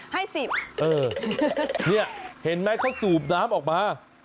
ให้๑๐เออเนี่ยเห็นไหมเขาสูบน้ำออกมา